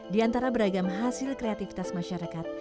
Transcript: di antara beragam hasil kreativitas masyarakat